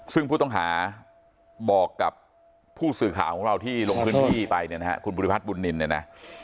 ซึ่งผู้ต้องหาบอกกับผู้สื่อข่าวของเราที่ลงพื้นที่ไปเนี่ยนะฮะคุณภูริพัฒนบุญนินเนี่ยนะ